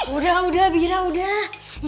udah udah bira udah